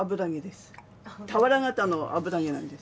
俵形の油揚げなんです。